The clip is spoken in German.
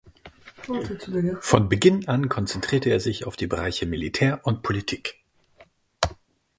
Von Beginn an konzentrierte er sich auf die Bereiche Militär und Politik.